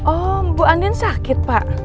oh bu andin sakit pak